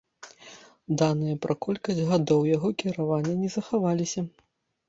Даныя пра колькасць гадоў яго кіравання не захаваліся.